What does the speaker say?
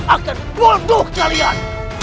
akan bunuh kalian